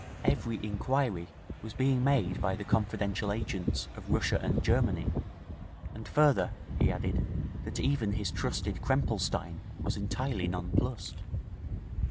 Every inquiry was being made by the confidential agents of Russia and Germany, and further, he added, that even his trusted Krempelstein was utterly nonplussed.'